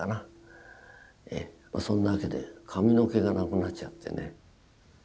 そんなわけで髪の毛がなくなっちゃってね。